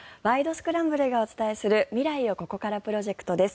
スクランブル」がお伝えする未来をここからプロジェクトです。